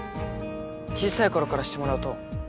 小さい頃からしてもらうと